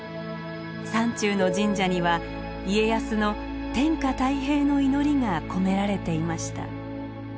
山中の神社には家康の天下太平の祈りが込められていました。